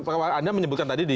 karena anda menyebutkan tadi di